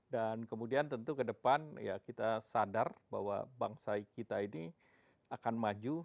dan kemudian tentu ke depan ya kita sadar bahwa bangsa kita ini akan maju